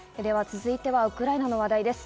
続いてはウクライナの話題です。